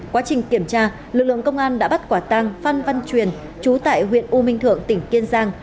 quá trình kiểm tra lực lượng công an đã bắt quả tang phan văn truyền chú tại huyện u minh thượng tỉnh kiên giang